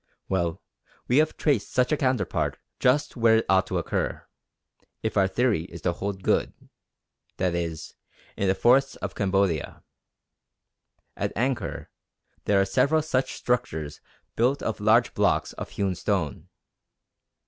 Well, we have traced such a counterpart just where it ought to occur, if our theory is to hold good, viz. in the forests of Cambodia. At Angkor there are several such structures built of large blocks of hewn stone.